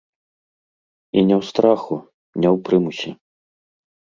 І не ў страху, не ў прымусе.